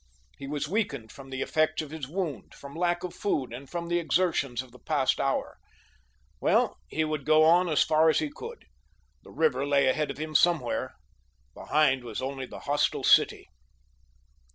He was weakened from the effects of his wound, from lack of food and from the exertions of the past hour. Well, he would go on as far as he could. The river lay ahead of him somewhere. Behind was only the hostile city.